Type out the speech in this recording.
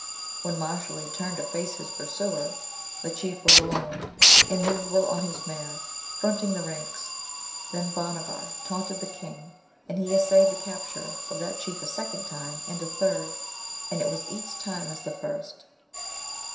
When Mashalleed turned to face his pursuer, the Chief was alone, immovable on his mare, fronting the ranks. Then Bhanavar taunted the King, and he essayed the capture of that Chief a second time and a third, and it was each time as the first.